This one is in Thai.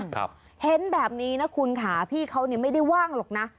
ครับเห็นแบบนี้นะคุณค่ะพี่เขาเนี่ยไม่ได้ว่างหรอกนะ